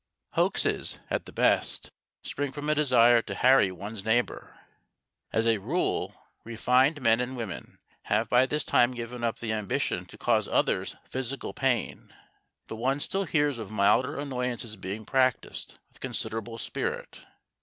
Hoaxes, at the best, spring from a desire to harry one's neighbour. As a rule, refined men and women have by this time given up the ambition to cause others physical pain, but one still hears of milder annoyances being practised with considerable spirit.